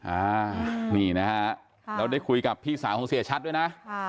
อ่านี่นะฮะเราได้คุยกับพี่สาวของเสียชัดด้วยนะ